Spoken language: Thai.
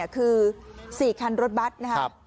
คือ๔คันรถบัตรนะครับ